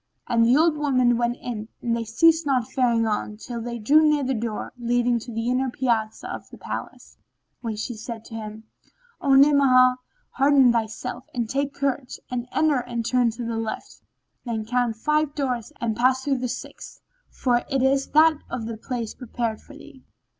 and the old woman went in and they ceased not faring on, till they drew near the door leading to the inner piazza of the palace, when she said to him, "O Ni'amah, hearten thyself and take courage and enter and turn to the left: then count five doors and pass through the sixth, for it is that of the place prepared for thee.